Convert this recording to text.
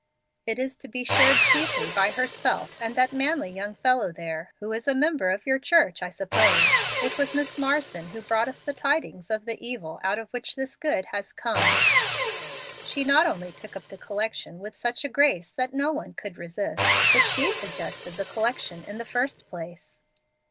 It is to be shared chiefly by herself and that manly young fellow there, who is a member of your church, I suppose. It was Miss Marsden who brought us the tidings of the evil out of which this good has come. She not only took up the collection with such a grace that no one could resist, but she suggested the collection in the first place."